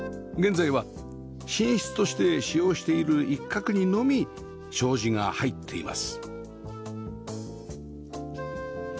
現在は寝室として使用している一角にのみ障子が入っています